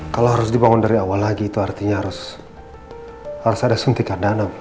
kalau harus dibangun dari awal lagi itu artinya harus ada suntikan dana